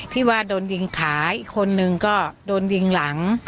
ที่ว่าโดนยิงขาอีกคนนึงก็โดนยิงหลัง